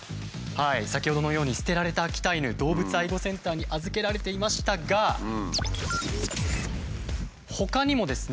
先ほどのように捨てられた秋田犬動物愛護センターに預けられていましたがほかにもですね